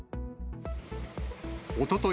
おととい